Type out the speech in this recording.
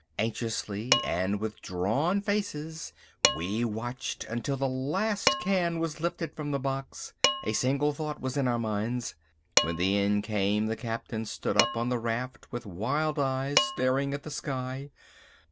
Anxiously and with drawn faces we watched until the last can was lifted from the box. A single thought was in our minds. When the end came the Captain stood up on the raft with wild eyes staring at the sky.